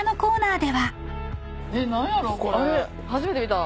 初めて見た。